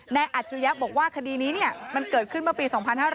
แน่อัดยากรบอกว่าคดีนี้เกิดขึ้นเมื่อปี๒๕๕๗